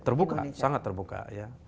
terbuka sangat terbuka ya